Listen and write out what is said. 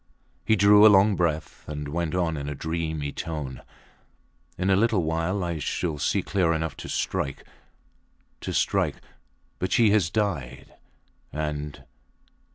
He drew a long breath and went on in a dreamy tone: In a little while I shall see clear enough to strike to strike. But she has died, and